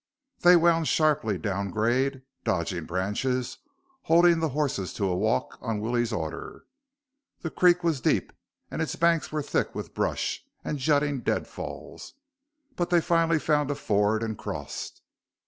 They wound sharply down grade, dodging branches, holding the horses to a walk on Willie's order. The creek was deep and its banks were thick with brush and jutting dead falls, but they finally found a ford and crossed.